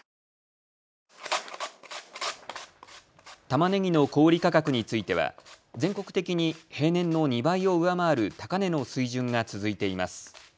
たまねぎの小売価格については全国的に平年の２倍を上回る高値の水準が続いています。